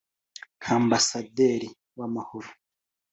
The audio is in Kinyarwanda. nka ambasaderi w’amahoro